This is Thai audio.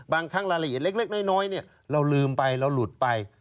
บางครั้งรายละเอียดเล็กน้อยเราลืมไปเราหลุดไป